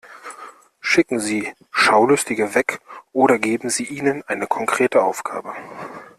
Schicken Sie Schaulustige weg oder geben Sie ihnen eine konkrete Aufgabe.